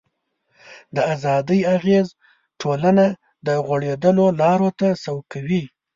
د ازادۍ اغېز ټولنه د غوړېدلو لارو ته سوق کوي.